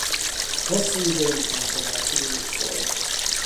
Hosszú ideig munkanélküli is volt.